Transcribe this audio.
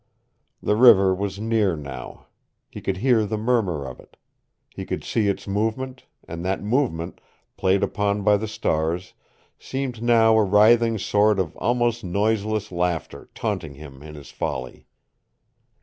The river was near now. He could hear the murmur of it. He could see its movement, and that movement, played upon by the stars, seemed now a writhing sort of almost noiseless laughter taunting him in his folly.